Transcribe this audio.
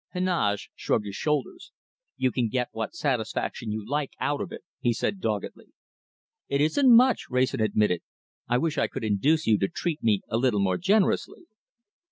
Heneage shrugged his shoulders. "You can get what satisfaction you like out of it," he said doggedly. "It isn't much," Wrayson admitted. "I wish I could induce you to treat me a little more generously."